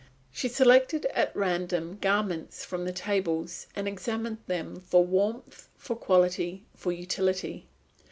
She selected at random garments from the tables, and examined them for warmth, for quality, for utility.